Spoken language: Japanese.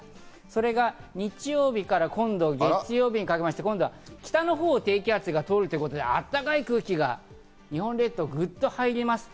それが日曜日から、今度月曜日にかけまして北のほうを低気圧が通るので、あったかい空気が日本列島にぐっと入ります。